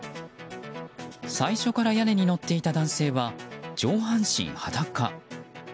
最初から屋根に乗っていた男性は上半身裸。